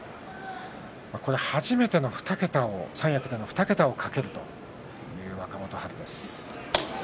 これは初めての三役での２桁を懸けるという若元春です。